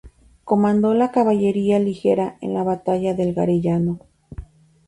Comandó la caballería ligera en la batalla del Garellano.